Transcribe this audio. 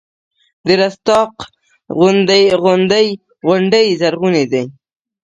د رستاق غونډۍ زرغونې دي